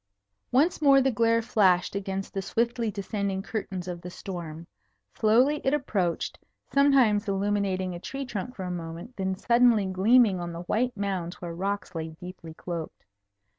Once more the glare flashed against the swiftly descending curtains of the storm. Slowly it approached, sometimes illuminating a tree trunk for a moment, then suddenly gleaming on the white mounds where rocks lay deeply cloaked.